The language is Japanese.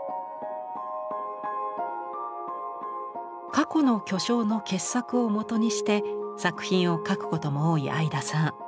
過去の巨匠の傑作をもとにして作品を描くことも多い会田さん。